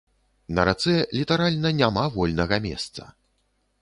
На рацэ літаральна няма вольнага месца.